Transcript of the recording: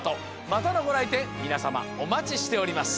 またのごらいてんみなさまおまちしております。